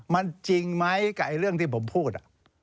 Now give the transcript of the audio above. มันจริงไหมกับเรื่องที่ผมพูด